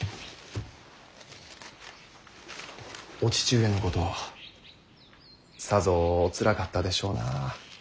お父上のことさぞおつらかったでしょうな。